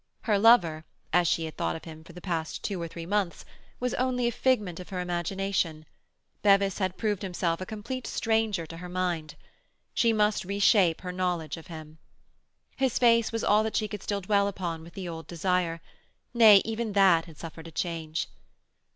Her lover, as she had thought of him for the past two or three months, was only a figment of her imagination; Bevis had proved himself a complete stranger to her mind; she must reshape her knowledge of him. His face was all that she could still dwell upon with the old desire; nay, even that had suffered a change.